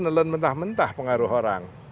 menelan mentah mentah pengaruh orang